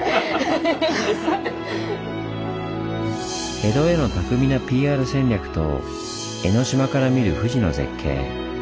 江戸への巧みなＰＲ戦略と江の島から見る富士の絶景。